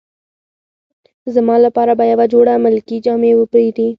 زما لپاره به یوه جوړه ملکي جامې وپیرې.